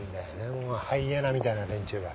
もうハイエナみたいな連中が。